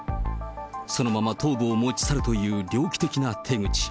そのまま頭部を持ち去るという猟奇的な手口。